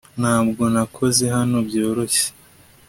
Ntabwo nakoze hano byoroshye